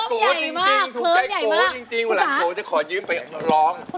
จริงถูกใกล้กูจริงวันหลังกูจะขอยืมไปร้องคุณภาพ